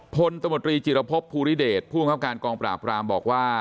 ตมตรีจิรพบภูริเดชผู้บังคับการกองปราบรามบอกว่า